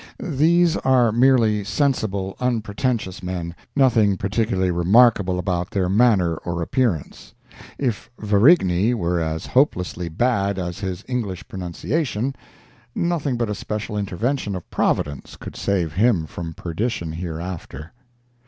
These are merely sensible, unpretentious men—nothing particularly remarkable about their manner or appearance. If Varigny were as hopelessly bad as his English pronunciation, nothing but a special intervention of Providence could save him from perdition hereafter.